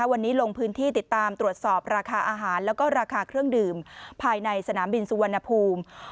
วันนี้ลงพื้นที่ติดตามตรวจสอบราคาอาหารแล้วก็ราคาเครื่องดื่มภายในสนามบินสุวรรณภูมิ